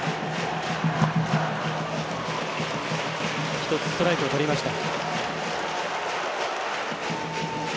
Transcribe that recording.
１つストライクをとりました。